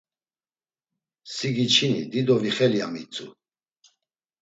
Si giçini dido vixeli ya mitzu.